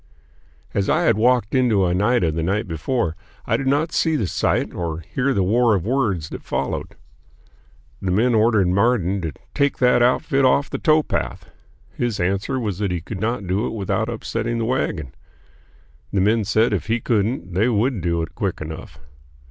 As I had walked into Oneida the night before, I did not see the sight or hear the war of words that followed. The men ordered Marden to "take that outfit off the towpath." His answer was that he could not do it without upsetting the wagon. The men said if he couldn't they would do it quick enough.